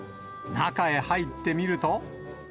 中へ入ってみると。